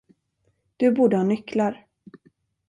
Du borde ha nycklar!